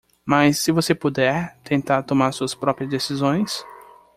Mas? se você puder? tentar tomar suas próprias decisões.